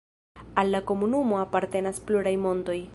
Al la komunumo apartenas pluraj montoj.